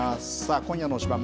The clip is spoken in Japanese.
今夜の推しバン！